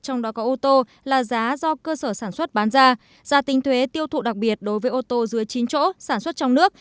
trong đó có ô tô là giá do cơ sở sản xuất bán ra giá tính thuế tiêu thụ đặc biệt đối với ô tô dưới chín chỗ sản xuất trong nước